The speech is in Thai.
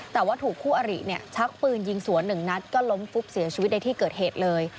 แต่ว่าถูกคู่อริเนี่ยชักปืนยิงสวนหนึ่งนัดก็ล้มฟุบเสียชีวิตในที่เกิดเหตุเลย